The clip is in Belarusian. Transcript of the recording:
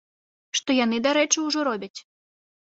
Што яны, дарэчы, ужо робяць.